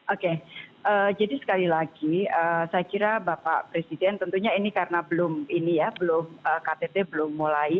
oke jadi sekali lagi saya kira bapak presiden tentunya ini karena belum ini ya belum ktt belum mulai